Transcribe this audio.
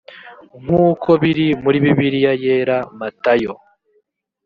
nkuko biri muri bibiliya yera matayo